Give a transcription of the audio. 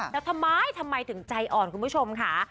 แล้วทำไมทำไมถึงใจอ่อนคุณผู้ชมค่ะ